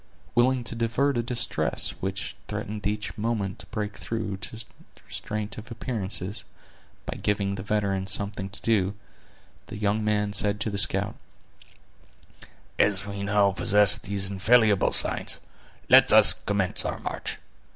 Willing to divert a distress which threatened each moment to break through the restraint of appearances, by giving the veteran something to do, the young man said to the scout: "As we now possess these infallible signs, let us commence our march.